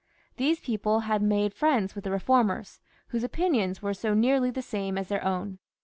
These people had made friends with the reformers, whose opinions were so nearly the same as their own.